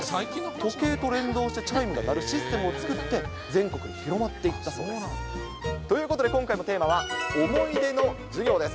時計と連動してチャイムが鳴るシステムを作って、全国に広まっていったそうです。ということで今回のテーマは思い出の授業です。